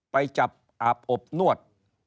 ไปจับอาบอบนวด